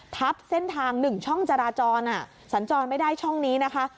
ทับเส้นทาง๑ช่องจราจรสัญจรไม่ได้ช่องนี้นะคะ